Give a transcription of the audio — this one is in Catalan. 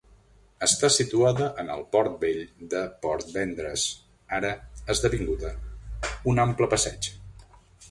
Està situada en el Port vell de Portvendres, ara esdevinguda un ample passeig.